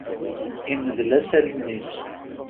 Imdel-as allen-is.